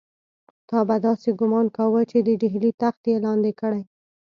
تا به داسې ګومان کاوه چې د ډهلي تخت یې لاندې کړی.